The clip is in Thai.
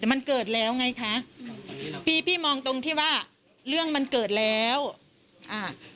แต่มันเกิดแล้วไงคะพี่พี่มองตรงที่ว่าเรื่องมันเกิดแล้วอ่า